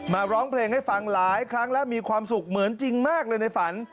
ร้องเพลงให้ฟังหลายครั้งแล้วมีความสุขเหมือนจริงมากเลยในฝัน